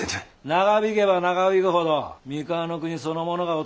長引けば長引くほど三河国そのものが衰えてく。